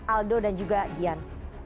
aldo dan juga gian